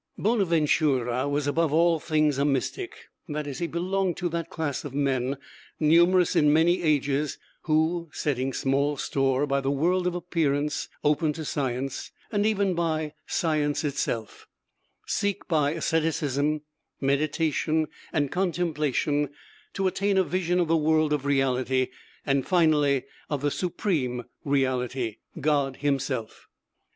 Bonaventura was above all things a mystic; that is, he belonged to that class of men, numerous in many ages, who, setting small store by the world of appearance open to science, and even by science itself, seek by asceticism, meditation, and contemplation to attain a vision of the world of reality, and finally of the supreme reality, God himself.